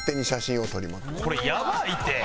これやばいって！